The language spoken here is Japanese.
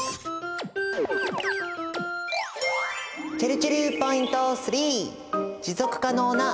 ちぇるちぇるポイント３！